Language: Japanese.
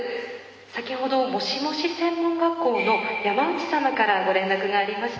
先ほどもしもし専門学校の山内様からご連絡がありました。